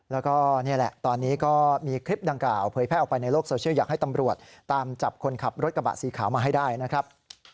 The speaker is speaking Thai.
แล้วก็นี่แหละตอนนี้ก็มีคลิปดังกล่าวเผยแพร่ออกไปในโลกโซเชียลอยากให้ตำรวจตามจับคนขับรถกระบะสีขาวมาให้ได้นะครับ